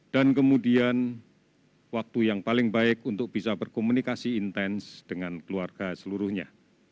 dan kemudian waktu yang paling baik untuk bisa berkomunikasi intens dengan keluarga seluruhnya